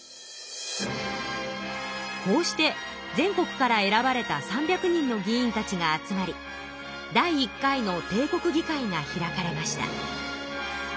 こうして全国から選ばれた３００人の議員たちが集まり第１回の帝国議会が開かれました。